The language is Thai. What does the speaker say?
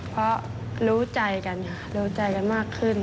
เพราะรู้ใจกันค่ะรู้ใจกันมากขึ้น